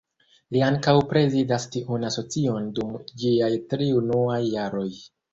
Li ankaŭ prezidas tiun asocion dum ĝiaj tri unuaj jaroj.